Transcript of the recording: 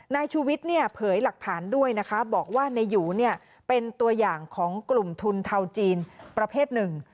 นายชูวิทย์เนี่ยเผยหลักฐานด้วยนะคะบอกว่านายหยูเนี่ยเป็นตัวอย่างของกลุ่มทุนเทาจีนประเภทหนึ่ง